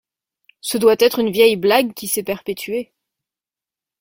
Ce doit être une vieille blague qui s'est perpétuée.